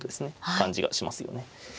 感じがしますよね。